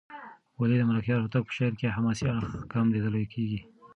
ولې د ملکیار هوتک په شعر کې حماسي اړخ کم لېدل کېږي؟